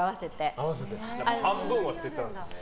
半分は捨てたんですね。